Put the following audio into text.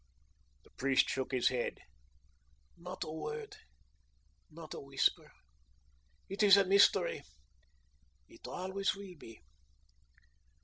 The priest shook his head. "Not a word, not a whisper. It is a mystery. It always will be."